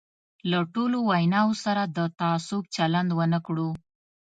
له ټولو ویناوو سره د تعصب چلند ونه کړو.